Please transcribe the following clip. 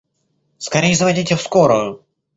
Скорей звоните в скорую!